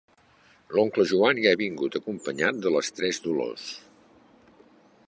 L'oncle Joan hi ha vingut acompanyat de les tres Dolors.